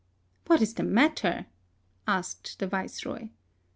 "What is the matter?'' asked the Viceroy.